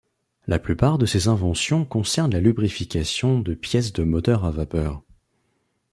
La plupart de ses inventions concernent la lubrifications de pièces de moteurs à vapeur.